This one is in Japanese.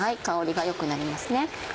香りが良くなりますね。